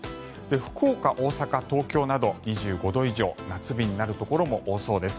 福岡、大阪、東京など２５度以上夏日になるところも多そうです。